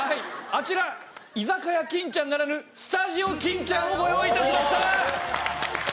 あちら居酒屋金ちゃんならぬスタジオ金ちゃんをご用意致しました。